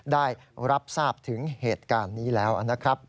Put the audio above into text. ได้รับทราบถึงเหตุการณ์นี้แล้วนะครับ